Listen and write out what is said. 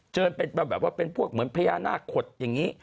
เจอแบบว่าเป็นพวกเหมือนพญานาคตอย่างนี้